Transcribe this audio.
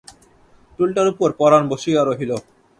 টুলটার উপর পরান বসিয়া রহিল।